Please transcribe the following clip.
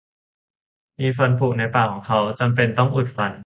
มีฟันผุในปากของเขา จำเป็นต้องอุดฟัน